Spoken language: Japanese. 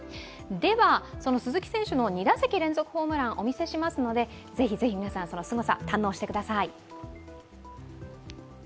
では鈴木選手の２打席連続ホームラン、お見せしますのでぜひぜひ皆さん、そのすごさ堪能してください。